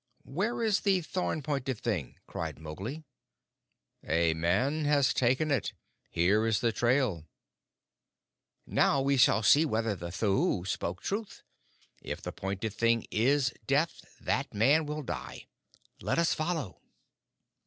"Where is the thorn pointed thing?" cried Mowgli. "A man has taken it. Here is the trail." "Now we shall see whether the Thuu spoke truth. If the pointed thing is Death, that man will die. Let us follow."